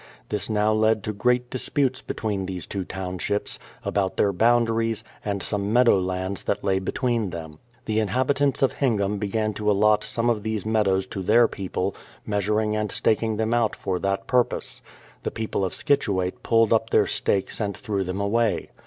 This now led to great disputes between these two town3hips, about their boundaries, and some meadow lands that lay between them. The inhabitants of Hingam began to allot so.i,ne of these meadows to their people, measuring and Staking them out for that purpose. The people of Scituate pulled up their stakes and threw them away.